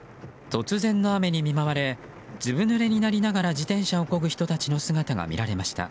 突然の雨に見舞われずぶぬれになりながら自転車をこぐ人たちの姿が見られました。